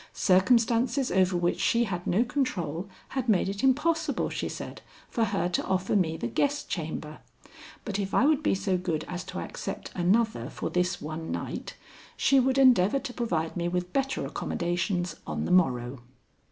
Circumstances over which she had no control had made it impossible, she said, for her to offer me the guest chamber, but if I would be so good as to accept another for this one night, she would endeavor to provide me with better accommodations on the morrow.